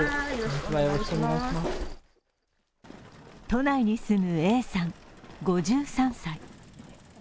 都内に住むＡさん５３歳。